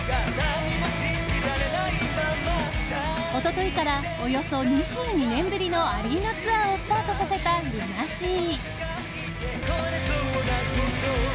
一昨日からおよそ２２年ぶりのアリーナツアーをスタートさせたＬＵＮＡＳＥＡ。